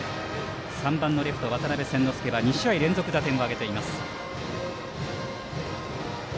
３番のレフト渡邉千之亮は２試合連続打点を挙げています。